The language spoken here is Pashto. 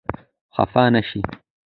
خفه نه شئ !